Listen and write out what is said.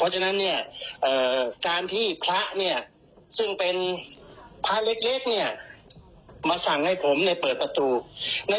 ดูสิครับว่า